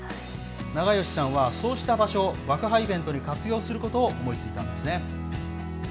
永芳さんは、そうした場所を爆破イベントに活用することを思いついたんですね。